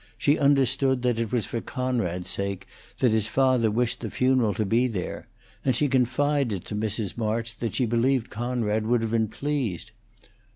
She understood that it was for Coonrod's sake that his father wished the funeral to be there; and she confided to Mrs. March that she believed Coonrod would have been pleased.